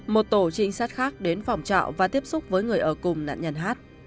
một tổ trinh sát khác đến phòng trọ và tiếp xúc với người ở cùng nạn nhân hát